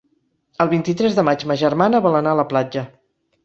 El vint-i-tres de maig ma germana vol anar a la platja.